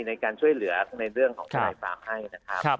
ในการช่วยเหลือในเรื่องของทนายความให้นะครับ